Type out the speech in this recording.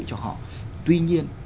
cho họ tuy nhiên